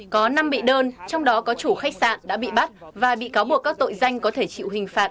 có năm bị đơn trong đó có chủ khách sạn đã bị bắt và bị cáo buộc các tội danh có thể chịu hình phạt